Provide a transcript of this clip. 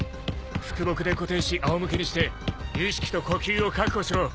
副木で固定しあお向けにして意識と呼吸を確保しろ。